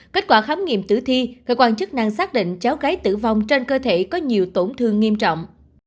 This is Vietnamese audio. kết quả khám nghiệm tử thi cơ quan chức năng xác định cháu gái tử vong trên cơ thể có nhiều tổn thương nghiêm trọng